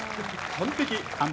完璧。